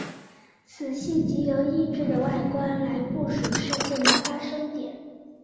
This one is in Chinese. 此系藉由异质的外观来部署事件的发生点。